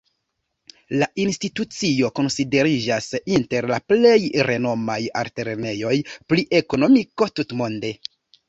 La institucio konsideriĝas inter la plej renomaj altlernejoj pri ekonomiko tutmonde.